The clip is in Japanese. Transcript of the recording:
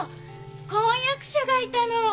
婚約者がいたの！